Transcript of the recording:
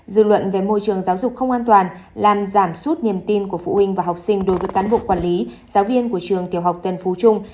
dư luận về môi trường giáo dục không an toàn làm giảm sút niềm tin của phụ huynh và học sinh đối với cán bộ quản lý giáo viên của trường tiểu học tân phú trung